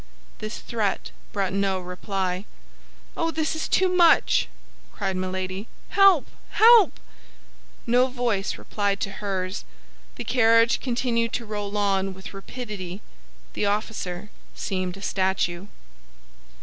This threat brought no reply. "Oh, this is too much," cried Milady. "Help! help!" No voice replied to hers; the carriage continued to roll on with rapidity; the officer seemed a statue.